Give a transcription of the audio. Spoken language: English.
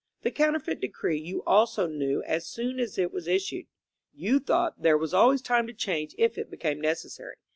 The Counterfeit Decree you also knew as soon as it was issued. You thought there was always time to change if it became necessary.